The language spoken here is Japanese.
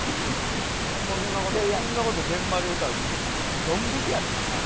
そんな事そんな事現場で言うたらドン引きやでスタッフ。